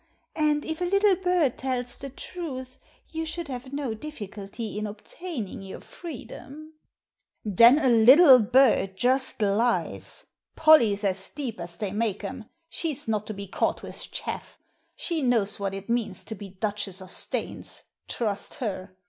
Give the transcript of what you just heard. And, if a little bird tells the truth, you should have no difficulty in obtaining your freedom." , Digitized by Google THE DUKE 315 " Then a little bird just lies ! Polly's as deep as they make 'em; she's not to be caught with chaff; she knows what it means to be Duchess of Staines — trust her